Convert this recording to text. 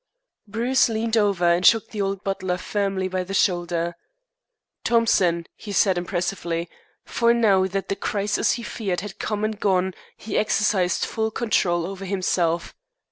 Bruce leaned over and shook the old butler firmly by the shoulder. "Thompson," he said impressively, for now that the crisis he feared had come and gone, he exercised full control over himself.